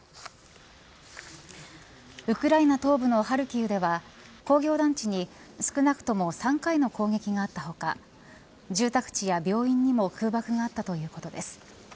ウクライナ東部のハルキウでは工業団地に少なくとも３回の攻撃があった他住宅地や病院にも空爆があったということです。